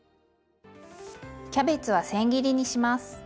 キャベツはせん切りにします。